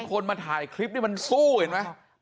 คนมาถ่ายคลิปนี่มันสู้เห็นไหม